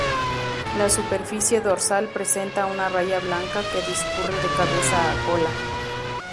La superficie dorsal presenta una raya blanca que discurre de cabeza a cola.